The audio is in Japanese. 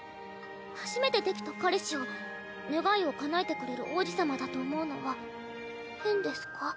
初めてできた彼氏を願いをかなえてくれる王子様だと思うのは変ですか？